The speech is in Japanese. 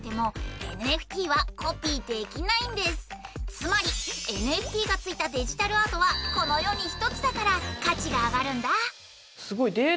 つまりＮＦＴがついたデジタルアートはこの世に一つだから価値が上がるんだ。